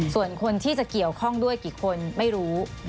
ส่วนคนที่จะเกี่ยวข้องด้วยกี่คนไม่รู้